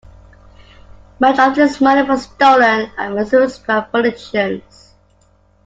Much of this money was stolen and misused by politicians.